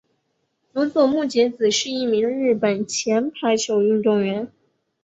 佐佐木节子是一名日本前排球运动员。